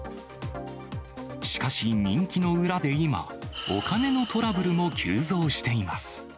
しかし、人気の裏で今、お金のトラブルも急増しています。